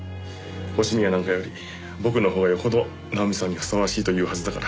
星宮なんかより僕のほうがよほど奈穂美さんにふさわしいと言うはずだから。